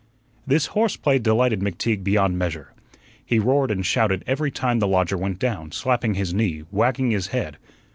This horse play delighted McTeague beyond measure. He roared and shouted every time the lodger went down, slapping his knee, wagging his head.